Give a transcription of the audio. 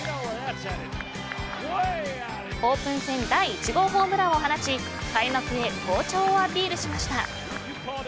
オープン戦第１号ホームランを放ち開幕へ好調をアピールしました。